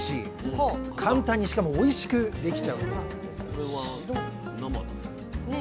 簡単にしかもおいしくできちゃう料理なんです